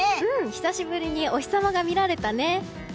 久しぶりにお日様が見られたね。